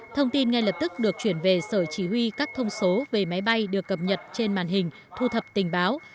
thông tin ngay lập tức được chuyển về sở chỉ huy các thông số về máy bay được cập nhật trên màn hình thu thập tình báo